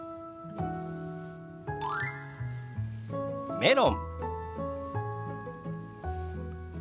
「メロン」。